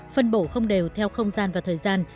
phân bổ không đều theo không gian và thời gian